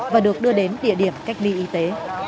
và được đưa đến địa điểm cách ly y tế